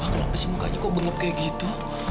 mama kenapa sih mukanya kok bengap kayak gitu